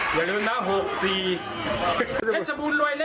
เฮิ่ยลุนนะ๔